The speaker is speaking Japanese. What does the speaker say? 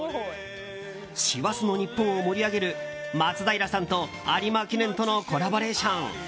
師走の日本を盛り上げる松平さんと有馬記念とのコラボレーション。